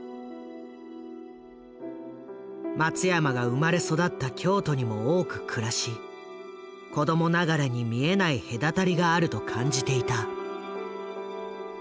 松山が生まれ育った京都にも多く暮らし子供ながらに見えない隔たりがあると感じていた。